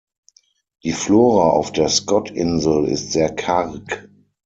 Die Flora auf der Scott-Insel ist sehr karg.